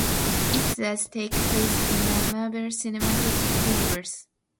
It does take place in the Marvel Cinematic Universe.